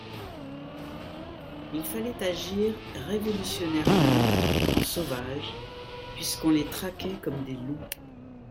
Il fallait agir révolutionnairement, en sauvages, puisqu’on les traquait comme des loups.